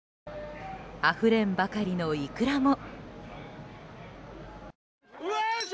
あふれんばかりのイクラも。